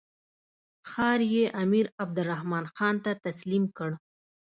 ښار یې امیر عبدالرحمن خان ته تسلیم کړ.